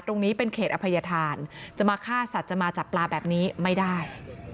ตรงนี้เป็นเขตอภัยธานจะมาฆ่าสัตว์จะมาจับปลาแบบนี้ไม่ได้